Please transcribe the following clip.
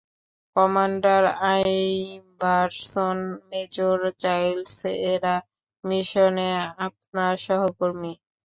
Commander Iverson, major Childs, এরা মিশনে আপনার সহকর্মী।